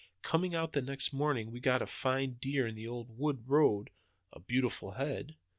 Coming out the next morning we got a fine deer on the old wood road a beautiful head.